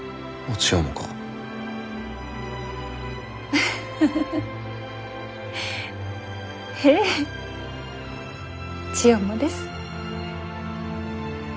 千代もです。